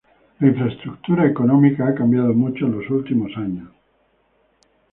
La infraestructura económica ha cambiado mucho en los últimos años.